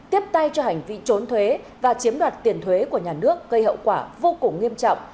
tiếp tay cho hành vi trốn thuế và chiếm đoạt tiền thuế của nhà nước gây hậu quả vô cùng nghiêm trọng